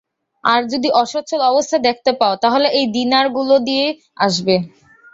আর যদি অসচ্ছল অবস্থা দেখতে পাও তাহলে এই দিনারগুলো দিয়ে আসবে।